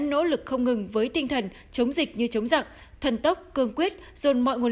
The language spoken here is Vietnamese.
nỗ lực không ngừng với tinh thần chống dịch như chống giặc thần tốc cương quyết dồn mọi nguồn